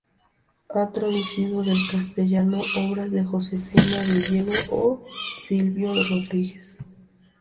Ha traducido del castellano obras de Josefina de Diego o Silvio Rodríguez.